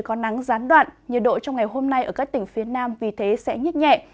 có nắng gián đoạn nhiệt độ trong ngày hôm nay ở các tỉnh phía nam vì thế sẽ nhít nhẹ